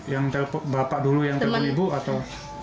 yang telpon bapak dulu yang telpon ibu atau